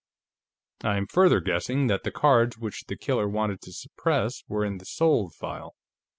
I am further guessing that the cards which the killer wanted to suppress were in the 'sold' file.